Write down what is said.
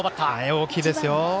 大きいですよ。